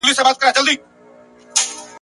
سینه خلاصوي، د ستوني درد کموي او غږ نرموي.